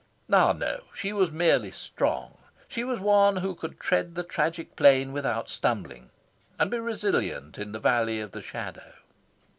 Ah no, she was merely strong. She was one who could tread the tragic plane without stumbling, and be resilient in the valley of the shadow.